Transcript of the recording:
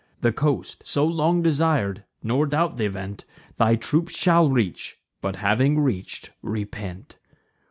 The coast, so long desir'd (nor doubt th' event), Thy troops shall reach, but, having reach'd, repent.